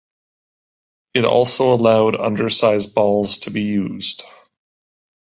It also allowed undersized balls to be used.